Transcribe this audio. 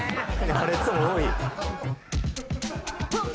破裂音多い。